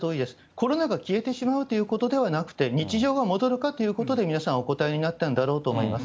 コロナ禍が消えてしまうということではなくて、日常が戻るかということで、皆さん、お答えになったんだろうと思います。